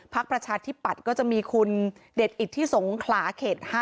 ประชาธิปัตย์ก็จะมีคุณเด็ดอิทธิสงขลาเขต๕